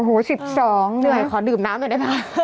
โอ้โห๑๒เหนื่อยขอดื่มน้ำหน่อยได้ไหม